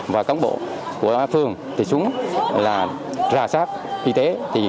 và cống bộ của phường thì xuống là ra sát y tế